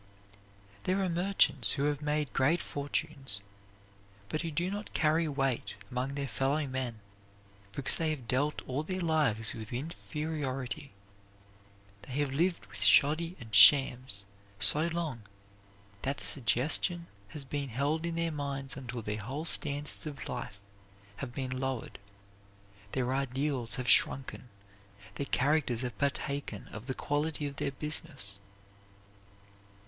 There are merchants who have made great fortunes, but who do not carry weight among their fellow men because they have dealt all their lives with inferiority. They have lived with shoddy and shams so long that the suggestion has been held in their minds until their whole standards of life have been lowered; their ideals have shrunken; their characters have partaken of the quality of their business.